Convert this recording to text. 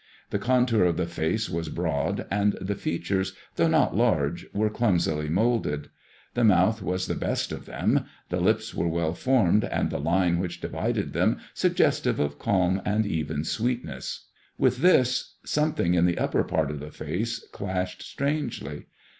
The contour of the face was broady and the features, though not lai*ge, were clumsily moulded. The mouth was the best of them; the lips were well formed, and the line which divided them suggestive of calm and even sweetness. With this something in the upper part of the face clashed strangely.